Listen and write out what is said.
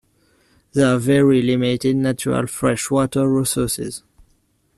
There are very limited natural fresh water resources.